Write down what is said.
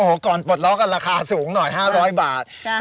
โอ้โหก่อนปลดล็อกอ่ะราคาสูงหน่อยห้าร้อยบาทจ้ะ